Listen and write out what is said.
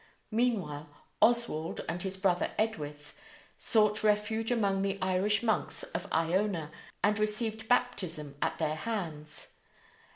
Meanwhile Oswald and his brother Edwith sought refuge among the Irish monks of lona, and received baptism at their hands.